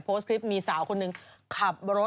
โพสต์คลิปมีสาวคนหนึ่งขับรถ